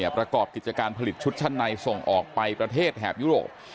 ประกอบกิจการผลิตชุดชั้นในส่งออกไปประเทศแถบยุโรป